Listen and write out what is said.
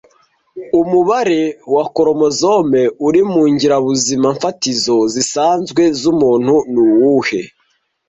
Umubare wa chromosome uri mu ngirabuzimafatizo zisanzwe z'umuntu ni uwuhe